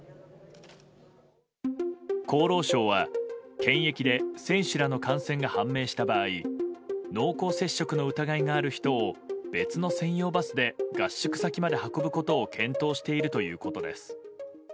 厚労省は検疫で選手らの感染が判明した場合濃厚接触の疑いがある人を別の専用バスで合宿先まで運ぶことを検討しているということです。